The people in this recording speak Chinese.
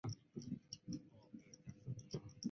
他的儿子是金密索尔。